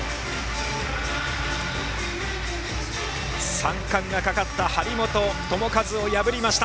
三冠がかかった張本智和を破りました！